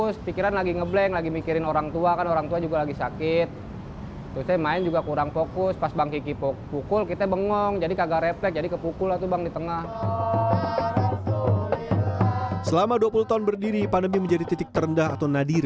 selama dua puluh tahun berdiri pandemi menjadi titik terendah atau nadiri